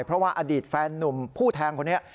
เพราะว่าอดีตแฟนนุ่มผู้แทงคนนี้